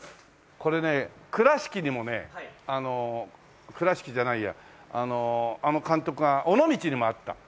これね倉敷にもね倉敷じゃないやあの監督が尾道にもあった。